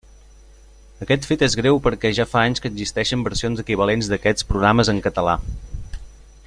Aquest fet és greu perquè ja fa anys que existeixen versions equivalents d'aquests programes en català.